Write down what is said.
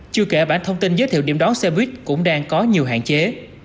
chưa kể bản thông tin giới thiệu điểm đón xe buýt cũng đang có nhiều hạn chế